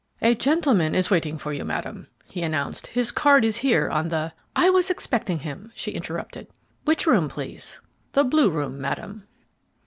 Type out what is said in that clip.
"A gentleman is waiting for you, Madam," he announced. "His card is here on the " "I was expecting him," she interrupted. "Which room, please?" "The blue room, Madam."